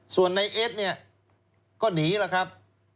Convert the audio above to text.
ส่วนในเอสเนี่ยก็หนีแล้วครับ